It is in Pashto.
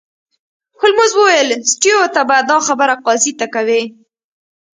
هولمز وویل سټیو ته به دا خبره قاضي ته کوې